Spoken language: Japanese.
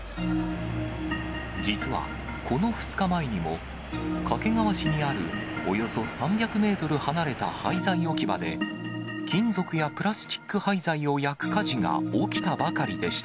実は、この２日前にも掛川市にあるおよそ３００メートル離れた廃材置き場で、金属やプラスチック廃材を焼く火事が起きたばかりでした。